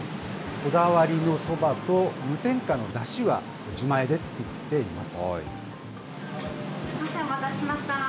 こだわりのそばと無添加のだしは自前で作っています。